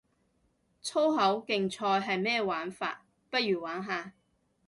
粗口競賽係咩玩法，不如玩下